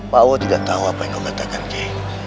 pak wo tidak tahu apa yang kau katakan kei